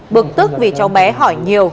bực tức vì cháu bé hỏi nhiều